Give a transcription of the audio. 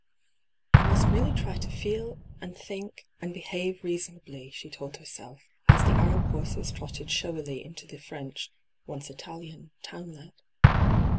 ' I must really try to feel and think and behave reasonably,' she told herself, as the Arab horses trotted showily into the French, once Italian, townlet.